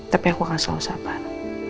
tapi aku akan selesaikan